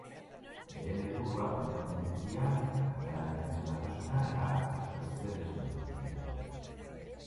Beren helburuak independentzia, Katalan Herrien batasuna eta sozialismoa dira.